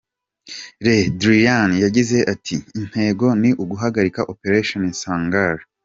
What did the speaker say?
Le Drian yagize ati"Intego ni uguhagarika Operation Sangaris .